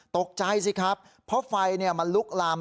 ตกใจสิครับเพราะไฟมันลุกลาม